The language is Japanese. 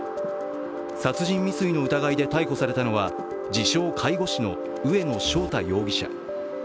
殺人未遂の疑いで逮捕されたのは自称介護士の上野翔太容疑者。